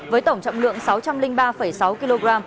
với tổng trọng lượng sáu trăm linh ba sáu kg